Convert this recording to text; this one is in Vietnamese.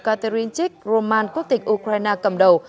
catherine chick roman quốc tịch ukraine cầm đầu